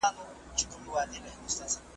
یوازې د یوه شخص دفاع نه ده